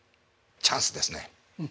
チャンスですね。